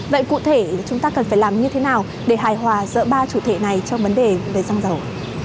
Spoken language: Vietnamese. vậy cụ thể chúng ta cần phải làm như thế nào để hài hòa giữa ba chủ thể này trong vấn đề về xăng dầu